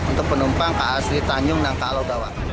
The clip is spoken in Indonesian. untuk penumpang ka sri tanjung dan ka logawa